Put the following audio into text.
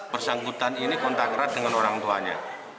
bersangkutan ini kontak erat dengan orang tuanya